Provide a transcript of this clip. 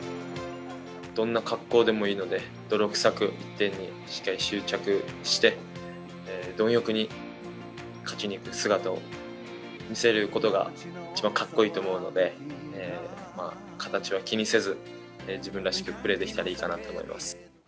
どんな格好でもいいので、泥臭く１点にしっかり執着して、貪欲に勝ちに行く姿を見せることが、一番かっこいいと思うので、形は気にせず、自分らしくプレーできたらいいかなと思います。